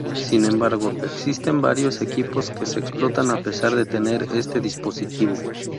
Sin embargo, existen varios equipos que explotan a pesar de tener este dispositivo.